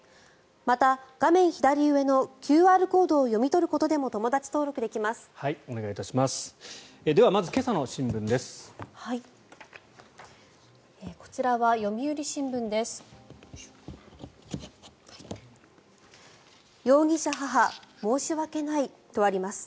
また画面左上のＱＲコードを読み取ることでもお願いいたします。